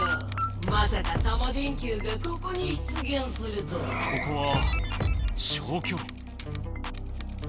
まさかタマ電Ｑがここに出げんするとはここは消去炉？